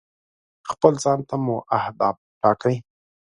خپل ځان ته مو اهداف ټاکئ.